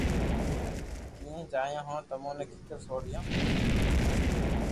ڪيئي جايو ھون تمو ني ڪيڪر سوڙيو